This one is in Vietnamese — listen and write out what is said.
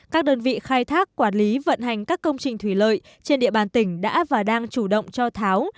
các đơn vị khai thác quản lý vận hành các công trình thủy lợi trên địa bàn tỉnh đã và đang chủ động cho tháo